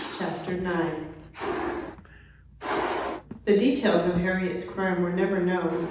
Chapter 9 The details of Harriet's crime were never known.